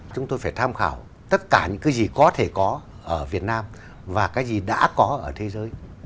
chúng tôi phải tham khảo tất cả những cái gì có thể có ở việt nam và cái gì đã có ở thế giới